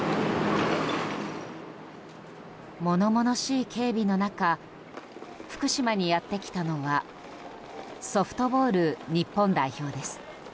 物々しい警備の中福島にやってきたのはソフトボール日本代表です。